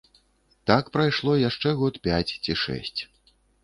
Так прайшло яшчэ год пяць ці шэсць.